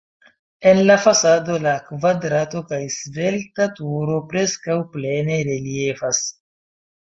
En la fasado la kvadrata kaj svelta turo preskaŭ plene reliefas.